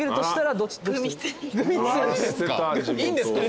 いいんですか？